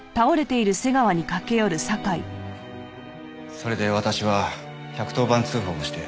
それで私は１１０番通報をして。